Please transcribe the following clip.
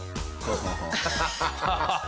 アハハハ！